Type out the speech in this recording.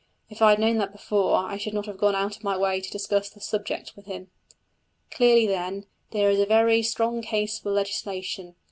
If I had known that before, I should not have gone out of my way to discuss the subject with him. Clearly, then, there is a very strong case for legislation.